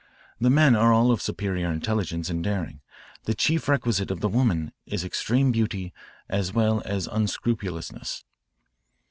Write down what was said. The men are all of superior intelligence and daring; the chief requisite of the women is extreme beauty as well as unscrupulousness.